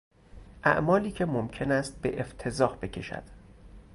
اعمالی که ممکن است به افتضاح بکشد